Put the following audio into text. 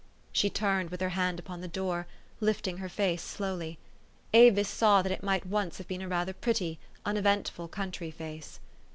She turned, with her hand upon the door, lifting her face slowty. Avis saw that it might once have been rather a pretty, uneventful country face.